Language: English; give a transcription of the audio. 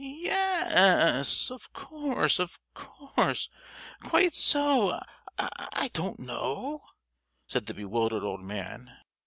"Ye—yes, of course, of course—quite so. I don't know," said the bewildered old man.